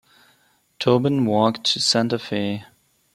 Tobin walked to Santa Fe.